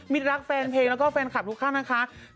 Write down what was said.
มิตรรักษ์แฟนเพลงแล้วก็แฟนควัดทุกขั้นนะคะ